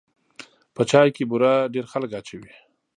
په چای کې بوره ډېر خلک اچوي.